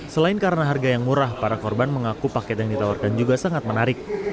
selain karena harga yang murah para korban mengaku paket yang ditawarkan juga sangat menarik